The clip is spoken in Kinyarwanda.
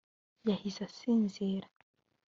yahise asinzira